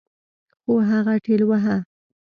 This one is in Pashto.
خو هغه ټېلوهه.